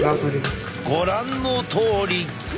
ご覧のとおり。